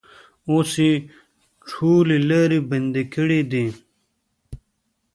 اوس یې ټولې لارې بندې کړې دي.